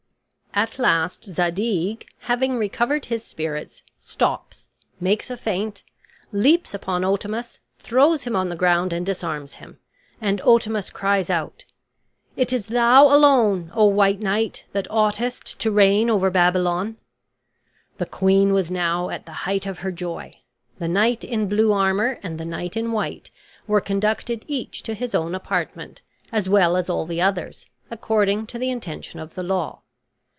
At last Zadig, having recovered his spirits, stops; makes a feint; leaps upon Otamus; throws him on the ground and disarms him; and Otamus cries out, "It is thou alone, O white knight, that oughtest to reign over Babylon!" The queen was now at the height of her joy. The knight in blue armor and the knight in white were conducted each to his own apartment, as well as all the others, according to the intention of the law.